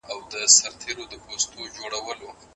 طاووسه ته ښایسته یې